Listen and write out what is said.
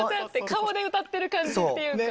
顔で歌ってる感じっていうか。